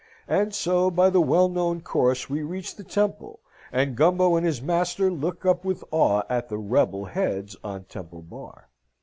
And so by the well known course we reach the Temple, and Gumbo and his master look up with awe at the rebel heads on Temple Bar.